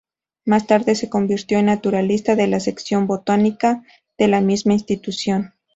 Más tarde, se convirtió en naturalista de la Sección Botánica, de la misma institución.